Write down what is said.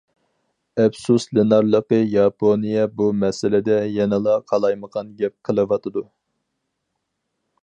ئەپسۇسلىنارلىقى ياپونىيە بۇ مەسىلىدە يەنىلا قالايمىقان گەپ قىلىۋاتىدۇ.